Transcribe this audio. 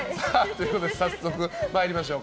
早速参りましょう。